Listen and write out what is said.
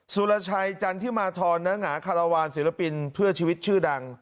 สุรชัยจันทิมาธรณหงาคาราวานศิลปินเพื่อชีวิตชื่อดัง